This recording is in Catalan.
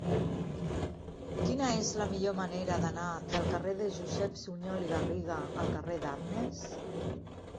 Quina és la millor manera d'anar del carrer de Josep Sunyol i Garriga al carrer d'Arnes?